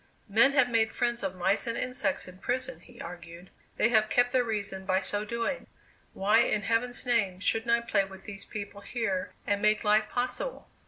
"Men have made friends of mice and insects in prison," he argued; "they have kept their reason by so doing; why, in heaven's name, shouldn't I play with these people here and make life possible?"